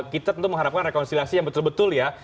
kita tentu mengharapkan rekonsiliasi yang betul betul ya